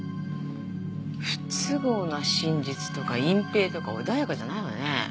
「不都合な真実」とか「隠蔽」とか穏やかじゃないわね。